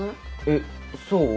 えっそう？